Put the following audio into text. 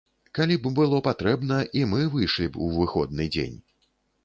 Калі б было патрэбна, і мы выйшлі б у выходны дзень.